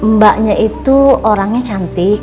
mbaknya itu orangnya cantik